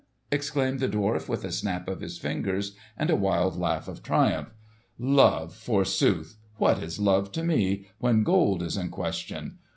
exclaimed the dwarf with a snap of his fingers and a wild laugh of triumph. "Love, forsooth! What is love to me, when gold is in question?